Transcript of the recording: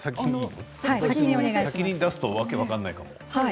先に出すと訳が分からないかも。